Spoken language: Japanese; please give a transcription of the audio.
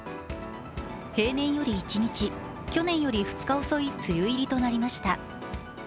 平年より１日、去年より２日遅い梅雨入りとなりました。